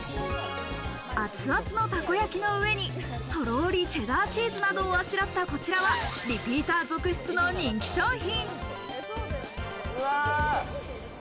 熱々のたこ焼きの上に、とろりチェダーチーズなどをあしらったこちらはリピーター続出の人気商品。